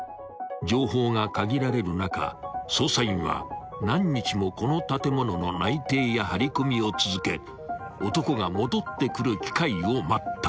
［情報が限られる中捜査員は何日もこの建物の内偵や張り込みを続け男が戻ってくる機会を待った］